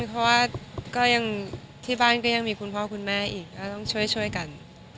เพราะว่าก็ยังที่บ้านก็ยังมีคุณพ่อคุณแม่อีกก็ต้องช่วยกัน